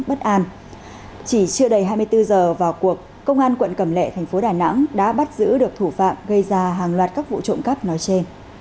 bất an chỉ chưa đầy hai mươi bốn giờ vào cuộc công an quận cẩm lệ thành phố đà nẵng đã bắt giữ được thủ phạm gây ra hàng loạt các vụ trộm cắp nói trên